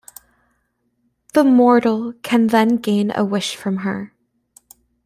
The mortal can then gain a wish from her.